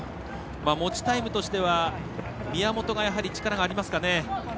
持ちタイムとしては、宮本がやはり力がありますかね。